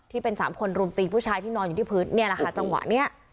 ที่เป็นสามคนรุมตีผู้ชายที่นอนอยู่ที่พื้นเนี่ยแหละค่ะจังหวะนี้